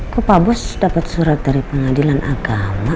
kok pak bus dapat surat dari pengadilan agama